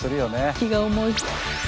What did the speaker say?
気が重い。